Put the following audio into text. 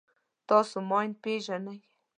تاسو ماین پېژنئ.